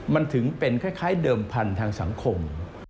มันถึงเป็นคล้ายเดิมพันธุ์ทางสังคม